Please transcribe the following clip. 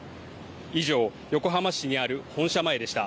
以上、横浜市にある本社前でした。